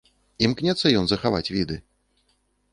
Імкнецца ён захаваць віды?